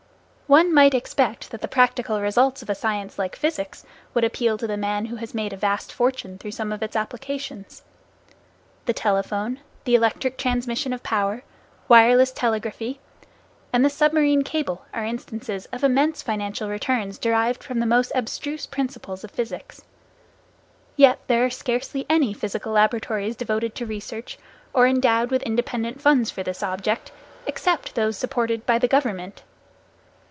One might expect that the practical results of a science like physics would appeal to the man who has made a vast fortune through some of its applications. The telephone, the electric transmission of power, wireless telegraphy and the submarine cable are instances of immense financial returns derived from the most abstruse principles of physics. Yet there are scarcely any physical laboratories devoted to research, or endowed with independent funds for this object, except those supported by the government.